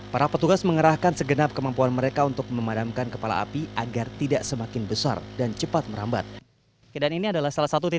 para petugas mengerahkan segenap kemampuan mereka untuk memadamkan kepala api agar tidak semakin besar dan cepat merambat